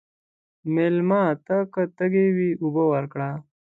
مېلمه ته که تږی وي، اوبه ورکړه.